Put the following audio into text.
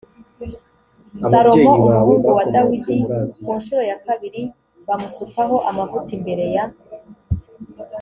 salomo umuhungu wa dawidi ku ncuro ya kabiri bamusukaho amavuta imbere ya